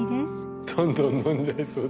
どんどん飲んじゃいそう。